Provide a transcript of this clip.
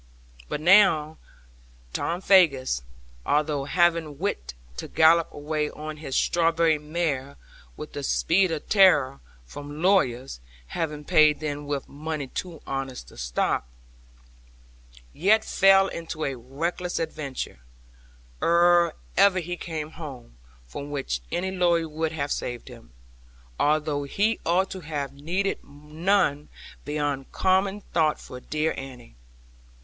But now Tom Faggus, although having wit to gallop away on his strawberry mare, with the speed of terror, from lawyers (having paid them with money too honest to stop), yet fell into a reckless adventure, ere ever he came home, from which any lawyer would have saved him, although he ought to have needed none beyond common thought for dear Annie.